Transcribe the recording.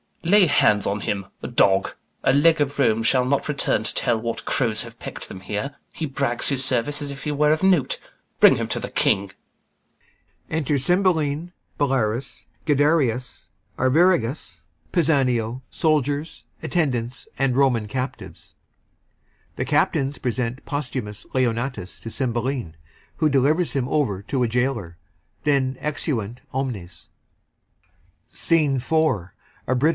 Lay hands on him; a dog! A leg of Rome shall not return to tell What crows have peck'd them here. He brags his service, As if he were of note. Bring him to th' King. Enter CYMBELINE, BELARIUS, GUIDERIUS, ARVIRAGUS, PISANIO, and Roman captives. The CAPTAINS present POSTHUMUS to CYMBELINE, who delivers him over to a gaoler. Exeunt omnes SCENE IV. Britain.